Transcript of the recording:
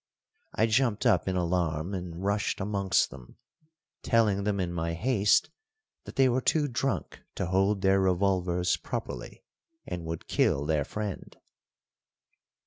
I jumped up in alarm and rushed amongst them, telling them in my haste that they were too drunk to hold their revolvers properly, and would kill their friend.